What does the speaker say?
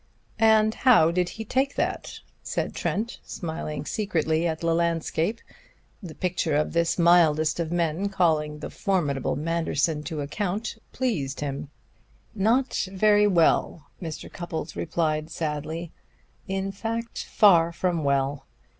"And how did he take that?" said Trent, smiling secretly at the landscape. The picture of this mildest of men calling the formidable Manderson to account pleased him. "Not very well," Mr. Cupples replied sadly. "In fact, far from well.